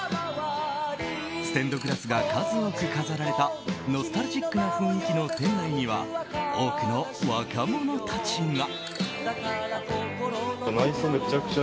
ステンドグラスが数多く飾られたノスタルジックな雰囲気の店内には多くの若者たちが。